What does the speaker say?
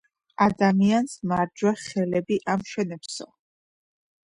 ადამიანს მარჯვე ხელები ამშვენებსო